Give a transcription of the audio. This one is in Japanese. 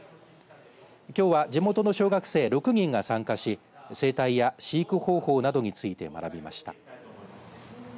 きょうは地元の小学生６人が参加し生態や飼育方法などについて学びました。